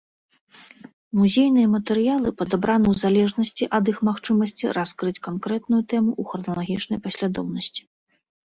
Музейныя матэрыялы падабраны ў залежнасці ад іх магчымасці раскрыць канкрэтную тэму ў храналагічнай паслядоўнасці.